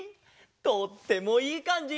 とってもいいかんじ！